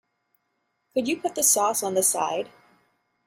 Could you put the sauce on the side?